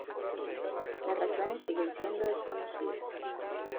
Las razones siguen siendo desconocidas.